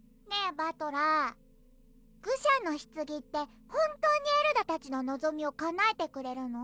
バトラー愚者の棺って本当にエルダたちののぞみをかなえてくれるの？